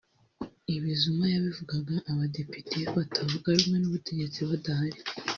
Ibi Zuma yabivugaga abadepite batavuga rumwe n’ubutegetsi badahari